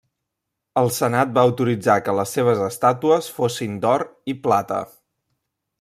El Senat va autoritzar que les seves estàtues fossin d'or i plata.